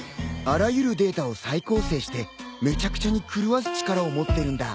あらゆるデータを再構成してめちゃくちゃに狂わす力を持ってるんだ。